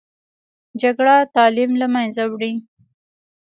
جګړه تعلیم له منځه وړي